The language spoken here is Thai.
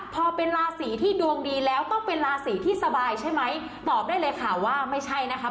พอเป็นราศีที่ดวงดีแล้วต้องเป็นราศีที่สบายใช่ไหมตอบได้เลยค่ะว่าไม่ใช่นะคะ